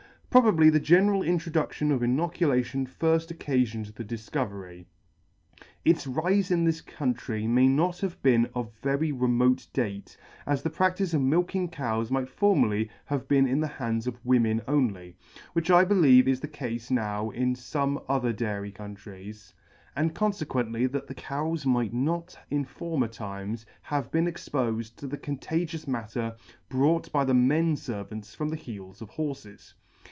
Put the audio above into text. Probably the general introdudion of inoculation fir ft occafioned the difcovery. Its rife in this country may not have been of very remote date, as the pradice of milking cows might formerly have been in t 57 ] in the hands of women only; which I believe is (he cafe now in fome other dairy countries, and confequently that the cows might not in former times have been expofed to the contagious matter brought by the men fervants from the heels of horfes.